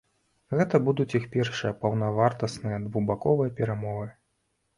Гэта будуць іх першыя паўнавартасныя двухбаковыя перамовы.